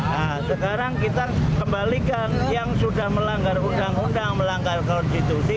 nah sekarang kita kembalikan yang sudah melanggar undang undang melanggar konstitusi